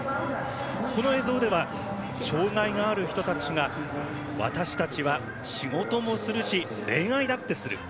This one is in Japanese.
この映像では障がいのある人たちが私たちは仕事もするし恋愛だってする。